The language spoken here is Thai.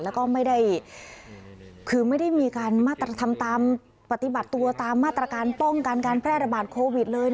แล้วก็ไม่ได้คือไม่ได้มีการมาทำตามปฏิบัติตัวตามมาตรการป้องกันการแพร่ระบาดโควิดเลย